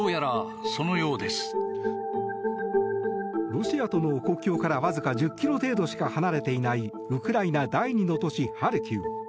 ロシアとの国境からわずか１０ｋｍ程度しか離れていないウクライナ第２の都市ハルキウ。